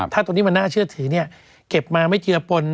ถ้าตรงนี้มันน่าเชื่อถือเนี่ยเก็บมาไม่เจือปน